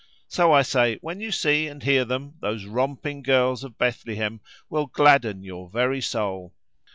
So, I say, when you see and hear them, those romping girls of Bethlehem will gladden your very soul.